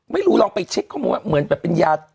ไม่รู้ลองไปเช็คเขาบอกว่าเหมือนแบบเป็นยา